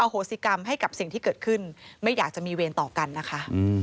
โหสิกรรมให้กับสิ่งที่เกิดขึ้นไม่อยากจะมีเวรต่อกันนะคะ